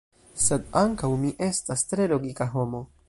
sed ankaŭ mi estas tre logika homo